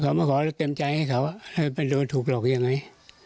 เขามาขอเต็มใจให้เขาให้ไปโดนถูกหลอกยังไง